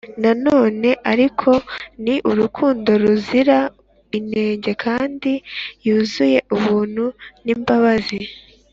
na none ariko ni urukundo ruzira inenge kandi yuzuye ubuntu n'imbabazi.